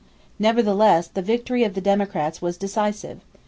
Nevertheless the victory of the Democrats was decisive.